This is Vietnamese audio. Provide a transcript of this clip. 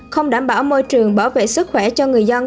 không đảm bảo môi trường bảo vệ sức khỏe cho người dân